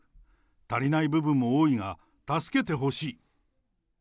足りない部分も多いが、助けてほしい。